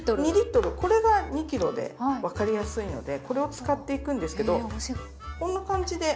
これが２ｋｇで分かりやすいのでこれを使っていくんですけどこんな感じで。